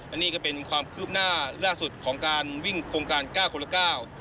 อันนี้ก็เป็นความคืบหน้าล่าสุดของการวิ่งโครงการเก้าคนละเก้า